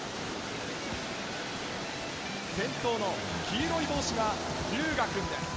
先頭の黄色い帽子が龍芽くんです。